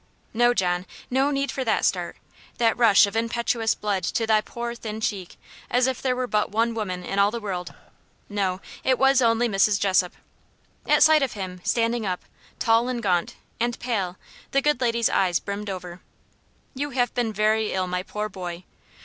No, John no need for that start that rush of impetuous blood to thy poor thin cheek, as if there were but one woman in all the world. No, it was only Mrs. Jessop. At sight of him, standing up, tall, and gaunt, and pale, the good lady's eyes brimmed over. "You have been very ill, my poor boy!